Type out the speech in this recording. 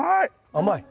甘い？